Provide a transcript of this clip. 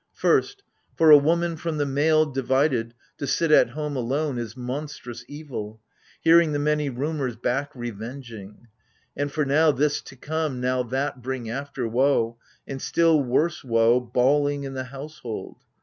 First : for a woman, from the male divided, To sit at home alone, is monstrous evil — Hearing the many rumours back revenging : And for now This to come, now That bring after Woe, and still worse woe, bawling in the household